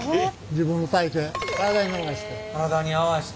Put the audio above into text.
自分の体形体に合わして。